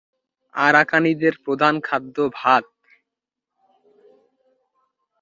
আরাকানিদের প্রধান খাদ্য ভাত।